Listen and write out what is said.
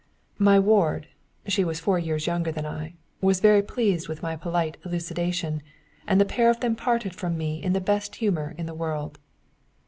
My ward (she was four years younger than I) was very pleased with my polite elucidation, and the pair of them parted from me in the best humour in the world.